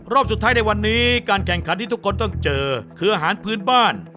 รอบสุดท้ายในวันนี้การแข่งขันที่ทุกคนต้องเจอคืออาหารพื้นบ้าน